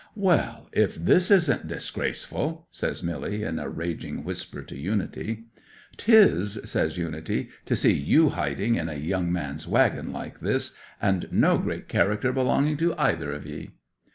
'"Well, if this isn't disgraceful!" says Milly in a raging whisper to Unity. '"'Tis," says Unity, "to see you hiding in a young man's waggon like this, and no great character belonging to either of ye!"